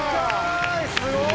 すごい！